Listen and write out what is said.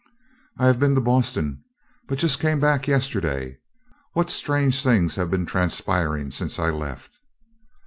"I have been to Boston, and but just came back yesterday. What strange things have been transpiring since I left?"